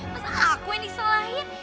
masa aku yang disalahin